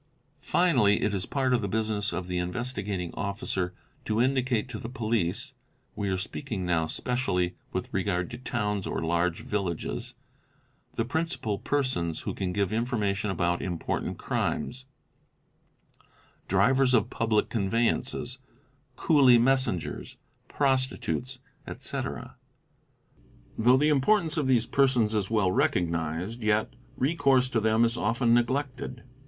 Finally it is part of the business of the Investigating Officer to indicate to the police (we are speaking now specially with regard to towns or large villages) the principal persons who can give information about important crimes,—drivers of public conveyances, coolie messengers, prostitutes, etc." Though the importance of these persons is well recognised yet recourse to them is often neglected.